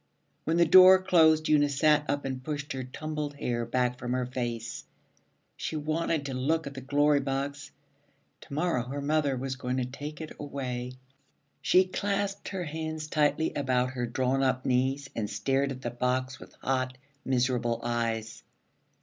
When the door closed, Eunice sat up and pushed her tumbled hair back from her face. She wanted to look at the Glory Box. To morrow her mother was going to take it away. She clasped her hands tightly about her drawn up knees and stared at the box with hot, miserable eyes.